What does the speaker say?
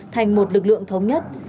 thành một lực lượng thống nhất